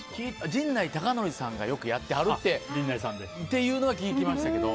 陣内孝則さんがよくやってはるって聞きましたけど。